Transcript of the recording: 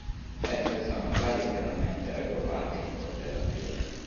Esse sono tradizionalmente raggruppate in costellazioni.